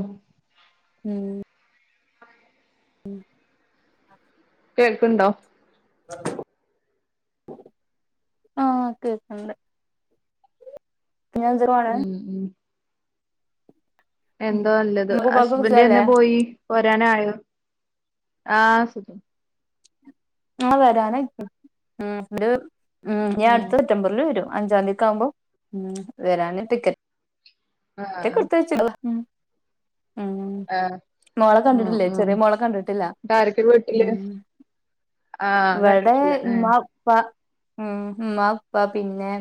ഉം ഉം ഉം കേൾക്ക്ൺണ്ടൊ ആഹ് കേക്ക്ണ്ട്? ഞാൻ എന്തിനുവാണ് ഉം ഉം ഉം എന്തോ നല്ലത് ഉമ്മക്കും ഉപ്പാക്കും ഹസ്ബന്റ് സുഖല്ലേ എന്നെ പോയി പോരാനായൊ ആഹ് സു ആഹ് വരാനയ്കുണു ഉം ഒര് ഉം ഞി അട്ത്ത സെപ്റ്റംബർൽ വരും അഞ്ചാംതി ആവുമ്പൊ വരാന് ടിക്ക റ്റ്ക്ക ഇട്ത്തേച്ച് ഉ മോള കണ്ടിട്ടില്ലെ ചെറിയ മോളെ കണ്ടിട്ടില്ല ട്ടാരൊക്കെ വീട്ടില് ഉം ആഹ് ഇവ്ടെ കണ്ടിട്ടില്ല ഏഹ് ഉമ്മാ ഉപ്പ ഉം ഉമ്മ ഉപ്പാ പിന്നെ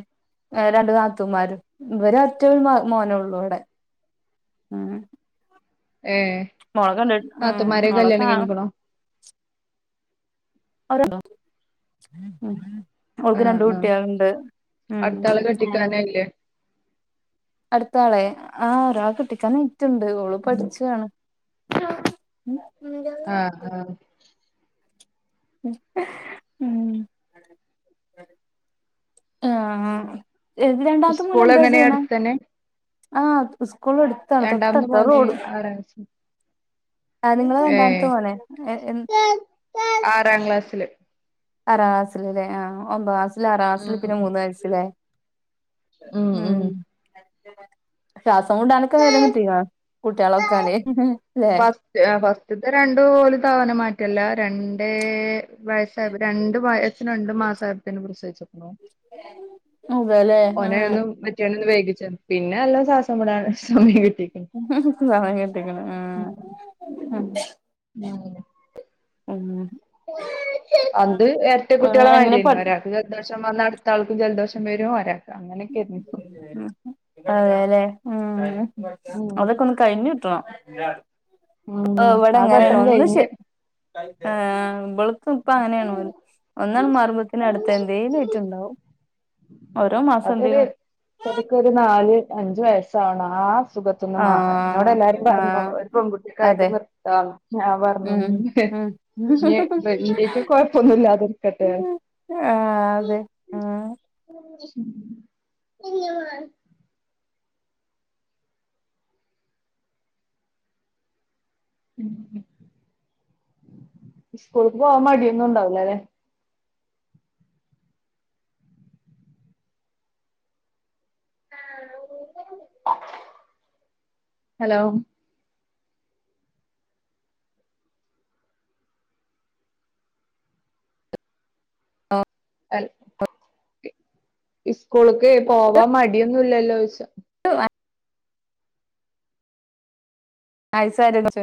രണ്ട് നാത്തൂമാരും ഇവരൊറ്റൊ മോനൊള്ളു അവ്ടെ ഉം ഏഹ് മോളെ കണ്ടിട്ട് ഉം താത്തമാരെ മോളെ കാ കല്യാണം കഴിഞ്ഞിക്കണോ [unintelligible] അവൾക്ക് ആഹ് രണ്ട് ആഹ് കുട്ടികളുണ്ട് ഉം അടുത്താളെ അങ്ങനക്കെ കെട്ടിക്കാനായില്ലേ അടുത്താളെ ആഹ് ഒരാ കെട്ടിക്കാൻ നിറ്റുണ്ട് ഓള് ഉം പഠിച്ചാണ് ആഹ് [unintelligible] ആഹ് ആഹ് ഉം ആഹ് രണ്ടാമത്തെ മോൻ സ്കൂൾ എന്താ എങ്ങനെ ചെയ്യണേ അടുത്തന്നെ ആഹ് സ്കൂളടു ത്താണ് രണ്ടാമത്തെ തൊട്ടടുത്താണ് മോന് അവനോടി ആറാം ക്ലാസ് ഏഹ് ആറാം ക്ലാസില് ആറാം ക്ലസ്സിൽല്ലേ ആഹ് ഒമ്പതാം ക്ലാസ്സില് ഉം ആറാംക്ലാസില് ഉം പിന്നെ മൂന്ന് വയസ്സല്ലേ ഉം [unintelligible] കുട്ടികളൊക്കാലേ അല്ലെ ആഹ് ഫസ്റ്റ്ത്തെ രണ്ടു പോലും തവന മാറ്റല്ല രണ്ടേ വയസ്സായപ്പൊ രണ്ടു വയസ്സിന് രണ്ട് മാസായപ്പോ പ്രസവിച്ചേക്കിനു ഉം അതേല്ലേ ഓനെയൊന്നും മറ്റിയോന ഒന്ന് വേഗിച്ച പിന്നെ എല്ലാം ശ്വാസംവിടാൻ സമയം കിട്ടി [unintelligible] ഉം ഉം അത് എരട്ട ഉം കുട്ടികളെ എങ്ങനെ മാരിയായിരുന്നു ഒരാൾ പഠി ഒരാൾക്ക് ജലദോഷം വന്നാ അടുത്ത ആൾക്കും ജലദോഷം വരും അര അതെല്ലെ ഉം ഉം അതൊക്ക [unintelligible] കഴിഞ്ഞു കിട്ടണം ഉം ഇവിടെ ആ അങ്ങനെയാണ് ഘട്ടം ഒന്ന് ശെ കഴിഞ്ഞ് ആഹ് മ്പള് ഇപ്പ അങ്ങനെയാണത് ഒന്ന് അങ്ങ് മാറുമ്പത്തേന് അടുത്ത എന്തേലും ആയിട്ടുണ്ടാവും ഓരോ മാസം ഒരു എന്തേലും ശരിക്കൊരു നാല് അഞ്ച് വയസ്സാവണം ആഹ് സുഖത്തൊന്ന് മാറാൻ എന്നോട് ആഹ് എല്ലാരും പറഞ്ഞു ആഹ് ഒരു പെൺകുട്ടിയക്കായിട്ട് അതെ നിർത്ത ഞാൻ പറഞ്ഞു ഉം ഉം ഇഞ്ഞി വെ വീട്ടി കൊഴപ്പൊന്നുമില്ലാതിരിക്കട്ടെ ആഹ് അതെ ആഹ് [unintelligible] ഉം സ്കൂള്ക്ക് പോവാൻ മടിയൊന്നുംണ്ടാവില്ലല്ലേ ഹലോ ആഹ് ഈ സ്കൂള്ക്ക് പോവാൻ മടിയൊന്നുംല്ലല്ലോ ചോയ്ച്ച ആഹ് [unintelligible]